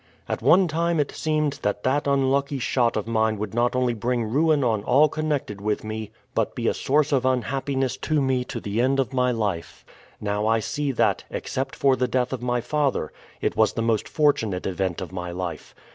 "At one time it seemed that that unlucky shot of mine would not only bring ruin on all connected with me but be a source of unhappiness to me to the end of my life. Now I see that, except for the death of my father, it was the most fortunate event of my life.